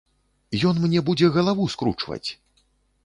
Ён мне будзе галаву скручваць!